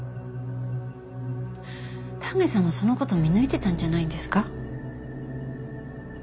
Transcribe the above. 丹下さんはその事見抜いてたんじゃないんですか？